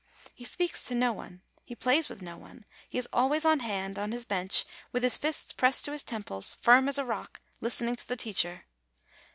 He speaks to no one, he plays with no one, he is al ways on hand, on his bench, with his fists pressed to his temples, firm as a rock, listening to the teacher.